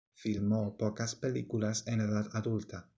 Filmó pocas películas en edad adulta.